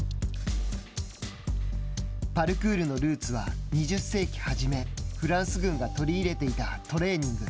パルクールのルーツは、２０世紀はじめフランス軍が取り入れていたトレーニング。